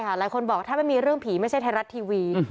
ใช่ค่ะหลายคนบอกถ้าเป็นเรื่องผีไม่ใช่ไทยรัตรทีวี